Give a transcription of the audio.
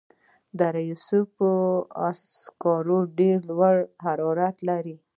د دره صوف سکاره ډیر لوړ حرارت لري.